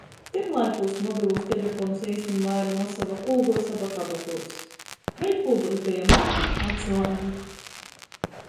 Tymlaikūs mobilūs teleponus eistyn vaira nosuoja kulduos aba kabatuos. Vēļ kulduos beja moki, atslāgi.